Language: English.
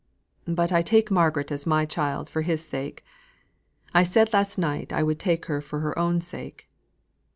But I take Margaret as my child for his sake. I said last night I would take her for her own sake.